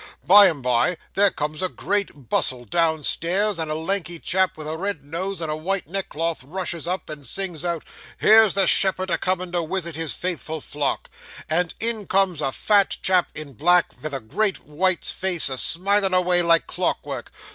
By and by, there comes a great bustle downstairs, and a lanky chap with a red nose and a white neckcloth rushes up, and sings out, "Here's the shepherd a coming to wisit his faithful flock;" and in comes a fat chap in black, vith a great white face, a smilin' avay like clockwork.